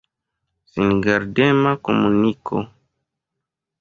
Singardema komuniko.